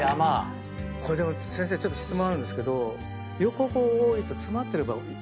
これでも先生ちょっと質問あるんですけど。